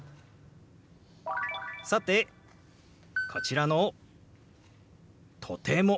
さてこちらの「とても」。